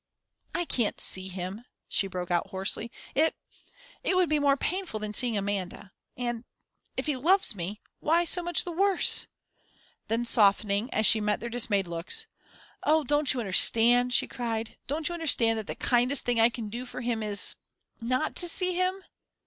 "I can't see him," she broke out, hoarsely; "it it would be more painful than seeing Amanda. And if he loves me, why, so much the worse!" Then softening, as she met their dismayed looks: "Oh, don't you understand," she cried, "don't you understand that the kindest thing I can do for him is not to see him?"